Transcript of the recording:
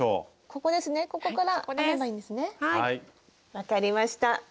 分かりました。